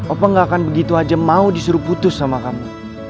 apa nggak akan begitu aja mau disuruh putus sama kamu